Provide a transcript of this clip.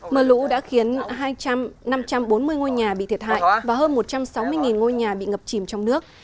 mưa lũ đã khiến năm trăm bốn mươi ngôi nhà bị thiệt hại và hơn một trăm sáu mươi ngôi nhà bị ngập chìm trong nước